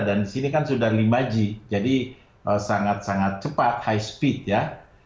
dan disini kan sudah lima g jadi sangat sangat cepat high speed ya